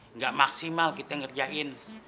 enggak maksimal kita ngerjain